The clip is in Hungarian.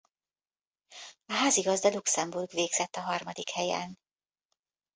A házigazda Luxemburg végzett a harmadik helyen.